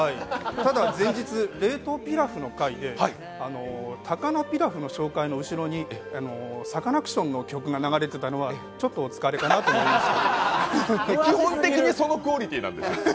ただ、前日、冷凍ピラフの回で、高菜ピラフの紹介の後ろにサカナクションの曲が流れてたのは基本的にそのクオリティーなんです。